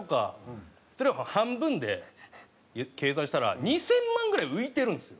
それを半分で計算したら２０００万ぐらい浮いているんですよ。